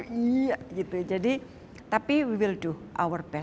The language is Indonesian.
tapi kita akan melakukan yang terbaik